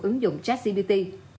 ứng dụng trashcbt